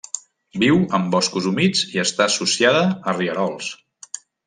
Viu en boscos humits i està associada a rierols.